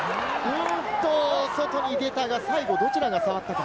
外に出たが、最後、どちらが触ったのか？